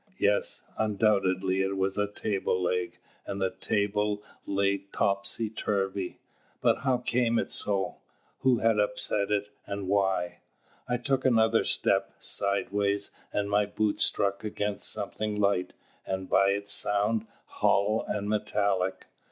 Yes, undoubtedly it was a table leg and the table lay topsy turvy. But how came it so? Who had upset it, and why? I took another step, sideways, and my boot struck against something light, and, by its sound, hollow and metallic.